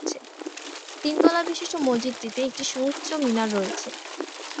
তিন তলা বিশিষ্ট মসজিদটিতে একটি সুউচ্চ মিনার রয়েছে।